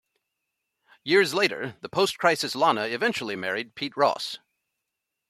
Years later, the post-"Crisis" Lana eventually married Pete Ross.